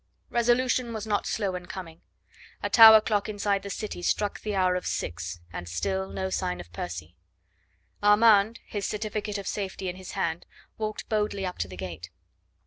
Resolution was not slow in coming. A tower clock inside the city struck the hour of six, and still no sign of Percy. Armand, his certificate of safety in his hand, walked boldly up to the gate.